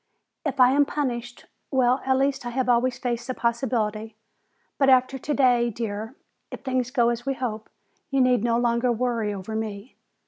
If I am punished, well, at least I have always faced the possibility. But after today, dear, if things go as we hope, you need no longer worry over me.